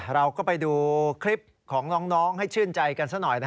เราก็ไปดูคลิปของน้องให้ชื่นใจกันซะหน่อย